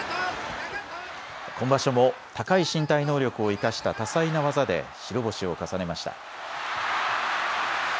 今場所も高い身体能力を生かした多彩な技で白星を重ねました。